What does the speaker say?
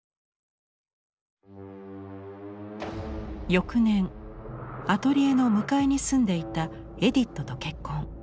翌年アトリエの向かいに住んでいたエディットと結婚。